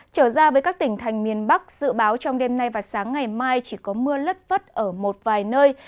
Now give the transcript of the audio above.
trở ra với các tỉnh thành miền bắc dự báo trong đêm nay và sáng ngày mai chỉ có mưa lất vất ở một vài nơi